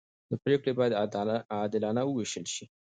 پرېکړې باید عادلانه وېشل شي